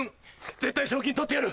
絶対賞金取ってやる！